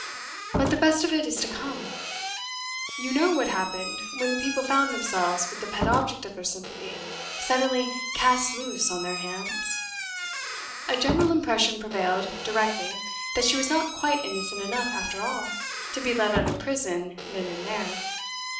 But the best of it is to come. You know what happened when the people found themselves with the pet object of their sympathy suddenly cast loose on their hands? A general impression prevailed directly that she was not quite innocent enough, after all, to be let out of prison then and there!